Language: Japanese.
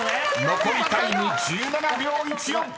［残りタイム１７秒１４］